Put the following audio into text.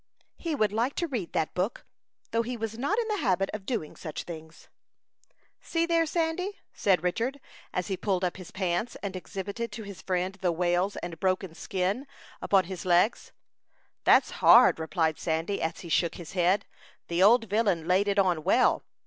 He would like to read that book, though he was not in the habit of doing such things. "See there, Sandy," said Richard, as he pulled up his pants, and exhibited to his friend the wales and broken skin upon his legs. "That's hard," replied Sandy, as he shook his head. "The old villain laid it on well."